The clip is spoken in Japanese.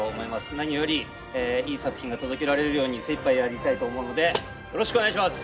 何よりいい作品が届けられるように精いっぱいやりたいと思うのでよろしくお願いします。